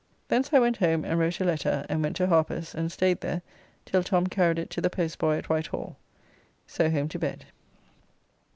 Thence I went home and wrote a letter, and went to Harper's, and staid there till Tom carried it to the postboy at Whitehall. So home to bed.